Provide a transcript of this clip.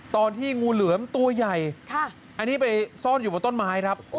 ตอนที่งูเหลือมตัวใหญ่อันนี้ไปซ่อนอยู่บนต้นไม้ครับ